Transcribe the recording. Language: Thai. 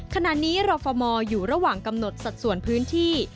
ขณะนี้รอฟมอยู่ระหว่างกำหนดสัดส่วนพื้นที่